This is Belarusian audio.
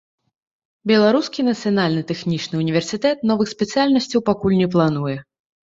Беларускі нацыянальны тэхнічны ўніверсітэт новых спецыяльнасцяў пакуль не плануе.